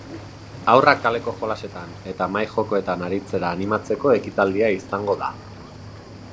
Haurrak kaleko jolasetan eta mahai-jokoetan aritzera animatzeko ekitaldia izango da.